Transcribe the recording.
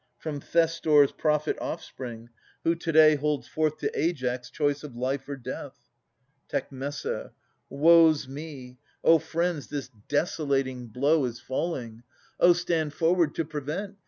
From Thestor's prophet offspring, who to day Holds forth to Aias choice of life or death. Tec. Woe 's me ! O friends, this desolating blow 803 830] Atas 81 Is falling ! Oh, stand forward to prevent